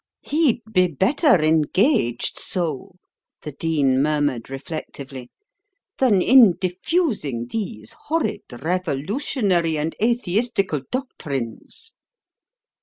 "He'd be better engaged so," the Dean murmured reflectively, "than in diffusing these horrid revolutionary and atheistical doctrines."